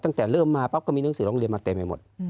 ตั้งแต่เริ่มมาปั๊บก็มีหนังสือร้องเรียนมาเต็มไปหมด